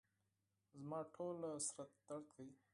زما ټوله بدن درد کوي